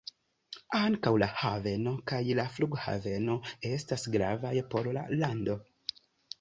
Ankaŭ la haveno kaj la flughaveno estas gravaj por la lando.